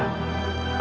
apa yang kau lakukan